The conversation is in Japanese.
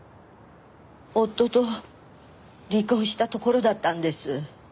夫と離婚したところだったんです。